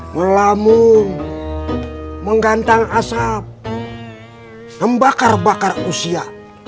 melamung menggantang asap membakar bakar usia